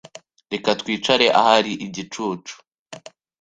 Reka twicare ahari igicucu.